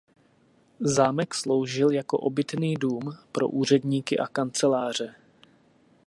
Zámek sloužil jako obytný dům pro úředníky a kanceláře.